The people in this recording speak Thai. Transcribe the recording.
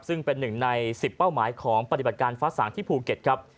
ซึ่งเป็นหนึ่งใน๑๐เป้าหมายของปฏิบัติการฟ้าสางที่ภูเก็ตครับ